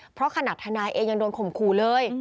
เพราะขนาดทนายเองยังโดนข่มขู่เลย